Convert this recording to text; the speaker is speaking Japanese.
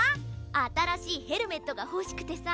あたらしいヘルメットがほしくてさ。